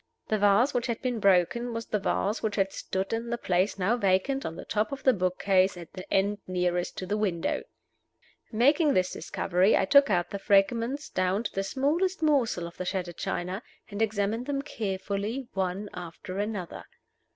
The vase which had been broken was the vase which had stood in the place now vacant on the top of the book case at the end nearest to the window. Making this discovery, I took out the fragments, down to the smallest morsel of the shattered china, and examined them carefully one after another.